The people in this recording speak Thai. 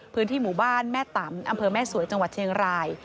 พื้นที่หมู่บ้านแม่ตำอำเภอแม่สวยจังหวัดเชียงราย